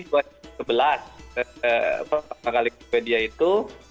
di tahun dua ribu sebelas pak kalispedia itu